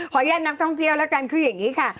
ขอย่านนักท่องเที่ยวแล้วกันคือยังงี้ค่ะ